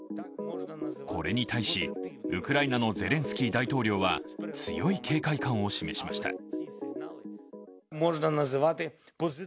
これに対し、ウクライナのゼレンスキー大統領は強い警戒感を示しました。